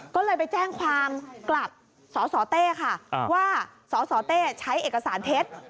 ก็เลยไปแจ้งความกลับสสเต้ค่ะว่าสสเต้ใช้เอกสารเท็จ